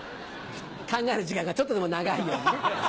考える時間がちょっとでも長いようにね。